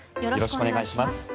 よろしくお願いします。